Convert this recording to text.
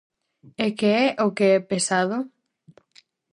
"E que é o que é pesado?".